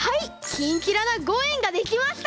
キンキラな５えんができました！